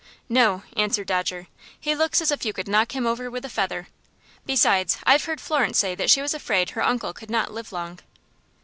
"No," answered Dodger. "He looks as if you could knock him over with a feather. Besides, I've heard Florence say that she was afraid her uncle could not live long."